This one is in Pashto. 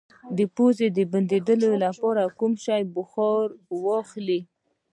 د پوزې د بندیدو لپاره د کوم شي بخار واخلئ؟